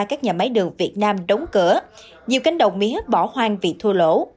các nhà máy đường việt nam đóng cửa nhiều cánh đồng mía bỏ hoang vì thua lỗ